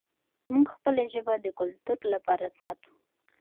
موږ خپله ژبه د کلتور لپاره ساتو.